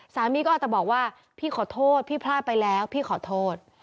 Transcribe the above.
สามีก็อาจจะบอกว่าพี่ขอโทษพี่พลาดไปแล้วพี่ขอโทษ